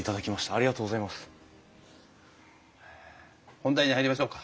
本題に入りましょうか。